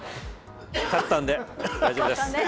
勝ったんで大丈夫です。